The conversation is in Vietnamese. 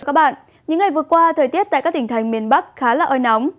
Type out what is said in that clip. xin chào các bạn những ngày vừa qua thời tiết tại các tỉnh thành miền bắc khá là oi nóng